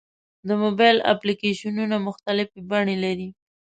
د موبایل اپلیکیشنونه مختلفې بڼې لري.